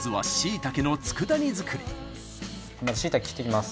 まずしいたけ切っていきます。